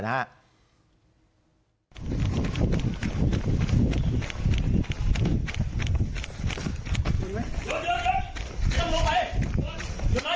หยุดอย่าลงลงไป